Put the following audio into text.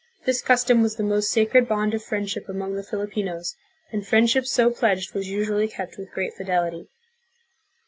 1 This custom was the most sacred bond of friendship among the Filipinos, and friendship so pledged was usu ally kept with great fidelity.